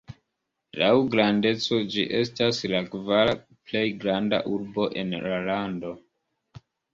Laŭ grandeco ĝi estas la kvara plej granda urbo en la lando.